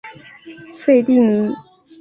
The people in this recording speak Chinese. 费蒂尼。